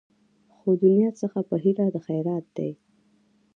خو دنیا څخه په هیله د خیرات دي